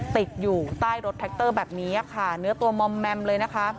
ติดอยู่ใต้รถแท็กเตอร์แบบนี้ค่ะเนื้อตัวมอมแมมเลยนะคะ